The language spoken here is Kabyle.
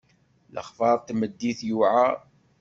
Lexbaṛ n tmeddit yewɛeṛ.